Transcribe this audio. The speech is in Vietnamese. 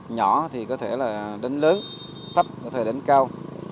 nhỏ thì có thể là đánh lớn thấp có thể đánh cao